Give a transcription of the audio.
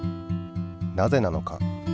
なぜなのか？